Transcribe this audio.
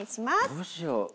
どうしよう。